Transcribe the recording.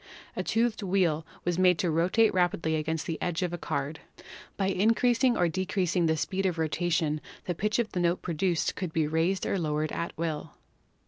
A toothed wheel was made to rotate rapidly against the edge of a card. By increasing or decreasing the speed of rotation the pitch of the note produced could be raised or lowered at will.